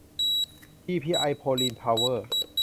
ทีพีไอ โพลีน เพาเวอร์